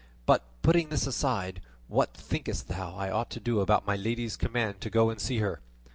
But putting this aside, what thinkest thou I ought to do about my lady's command to go and see her?